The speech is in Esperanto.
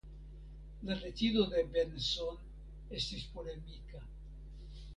La decido de Benson estis polemika.